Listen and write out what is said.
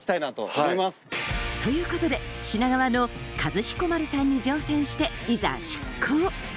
ということで品川の和彦丸さんに乗船していざ出港